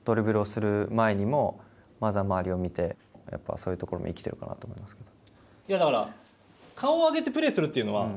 そういうところも生きているかなと思いますけど。